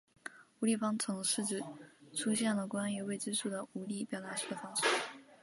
无理方程是指出现了关于未知数的无理表达式的方程。